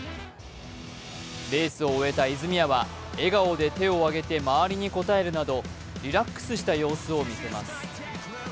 レースを終えた泉谷は笑顔で手を挙げて周りに応えるなどリラックスした様子を見せます。